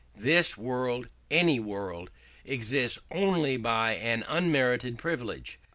This world, any world, exists only by an unmerited privilege.